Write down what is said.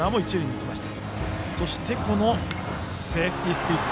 そして、セーフティースクイズ。